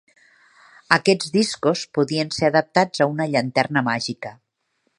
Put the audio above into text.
Aquests discos podien ser adaptats a una llanterna màgica.